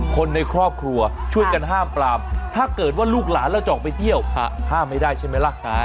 คนในครอบครัวช่วยกันห้ามปรามถ้าเกิดว่าลูกหลานเราจะออกไปเที่ยวห้ามไม่ได้ใช่ไหมล่ะ